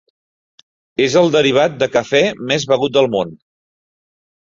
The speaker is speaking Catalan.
És el derivat de cafè més begut al món.